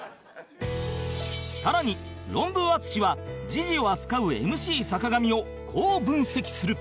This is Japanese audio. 更にロンブー淳は時事を扱う ＭＣ 坂上をこう分析する